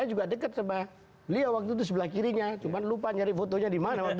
saya juga dekat sama beliau waktu itu sebelah kirinya cuma lupa nyari fotonya di mana waktu itu